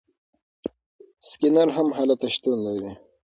سکینر هم هلته شتون لري.